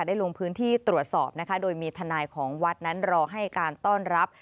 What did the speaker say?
ลงพื้นที่ตรวจสอบนะคะโดยมีทนายของวัดนั้นรอให้การต้อนรับ